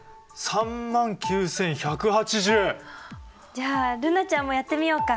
じゃあ瑠菜ちゃんもやってみようか。